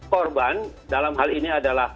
korban dalam hal ini adalah